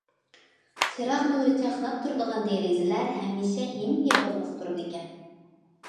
چىراغ نۇرى چاقناپ تۇرىدىغان دېرىزىلەر ھەمىشە ھىم يېپىقلىق تۇرىدىكەن.